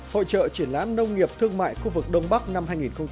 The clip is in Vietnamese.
hội trợ triển lãm nông nghiệp thương mại khu vực đông bắc năm hai nghìn một mươi sáu